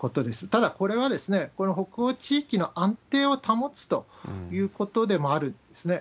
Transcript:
ただ、これはこの北欧地域の安定を保つということでもあるんですね。